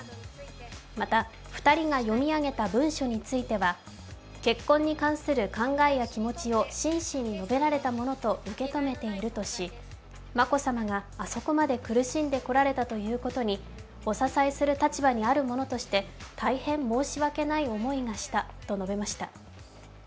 また、２人が読み上げた文書については、結婚に関する考えや気持ちを真摯に述べられたものと受け止めているとし、眞子さまがあそこまで苦しんでこられたということにお支えする立場にある者として大変申し訳ない思いがしたと述べました。